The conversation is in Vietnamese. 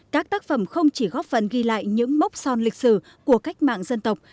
các tác phẩm không chỉ góp phần ghi lại những mốc son lịch sử của cách mạng dân tộc